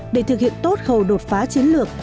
để thực hiện tốt khẩu đột phá chiến lược